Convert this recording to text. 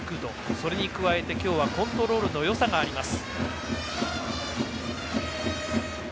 それに加えて、今日はコントロールのよさがあります。